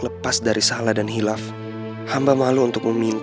reva kan sekarang udah aman banget